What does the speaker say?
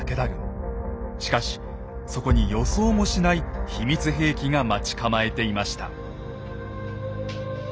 しかしそこに予想もしない秘密兵器が待ち構えていました。